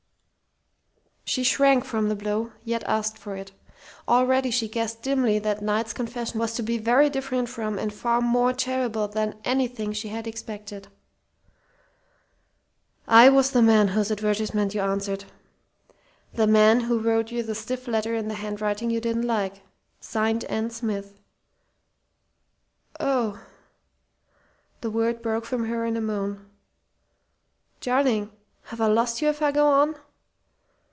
She shrank from the blow, yet asked for it. Already she guessed dimly that Knight's confession was to be very different from and far more terrible than anything she had expected. "I was the man whose advertisement you answered the man who wrote you the stiff letter in the handwriting you didn't like, signed N. Smith." "Oh!" The word broke from her in a moan. "Darling! Have I lost you if I go on?"